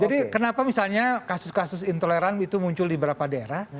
jadi kenapa misalnya kasus kasus intoleran itu muncul di beberapa daerah